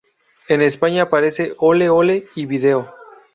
En España aparecen Ole ole y Vídeo.